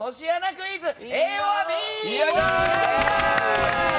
クイズＡｏｒＢ！